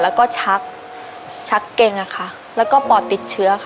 แล้วชักเกลงและปอดติดเชื้อ